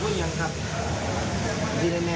นี่ว่าข้าบบ้านไปนี่อาทิตย์หนึ่ง